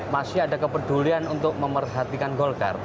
masih ada kepedulian untuk memerhatikan golkar